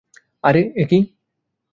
আরে, একি!